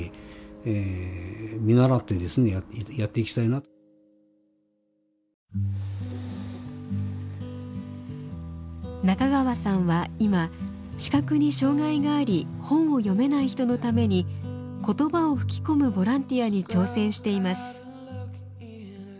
まあ自分自身もですね中川さんは今視覚に障害があり本を読めない人のために言葉を吹き込むボランティアに挑戦しています。